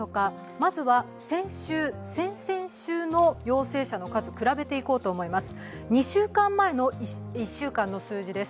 まずは先週、先々週の陽性者の数を比べていこうと思います。